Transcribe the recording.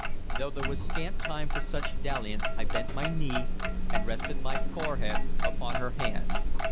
Though there was scant time for such dalliance, I bent my knee and rested my forehead upon her hand.